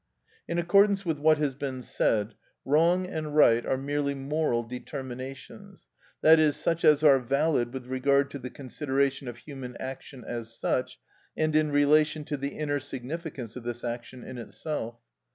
(75) In accordance with what has been said, wrong and right are merely moral determinations, i.e., such as are valid with regard to the consideration of human action as such, and in relation to the inner significance of this action in itself.